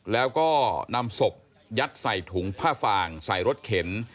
แล้วก็นำศพยัดใส่ถุงผ้าฟางใส่รถเข็น